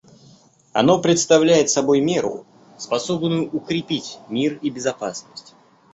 Оно представляет собой меру, способную укрепить мир и безопасность.